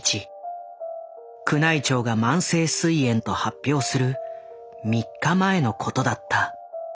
宮内庁が「慢性すい炎」と発表する３日前のことだった。